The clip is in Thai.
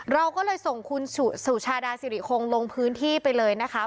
เราก็เลยส่งคุณสุชาดาสิริคงลงพื้นที่ไปเลยนะคะ